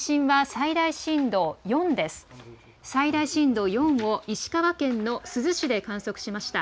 最大震度４を石川県の珠洲市で観測しました。